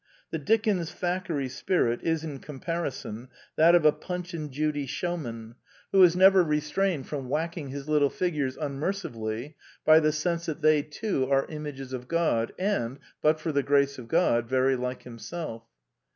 The Dickens Thackeray spirit is, in comparison, that of a Punch and Judy showman, who is never The New Element 207 restrained from whacking his little figures un mercifully by the sense that they, too, are images of God, and, " but for the grace of God," very like himself.